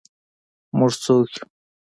موږ څوک یو؟